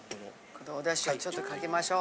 お出汁をちょっとかけましょう。